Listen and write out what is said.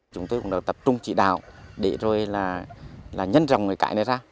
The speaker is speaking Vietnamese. chúng tôi cũng đã tập trung trị đạo để rồi là nhân dòng người cãi này ra